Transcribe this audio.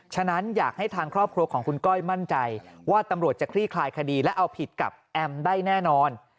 ฉะนั้นอยากให้ทางครอบครัวของคุณก้อยมั่นใจว่าตำรวจจะคลี่คลายคดีและเอาผิดกับแอมได้แน่นอน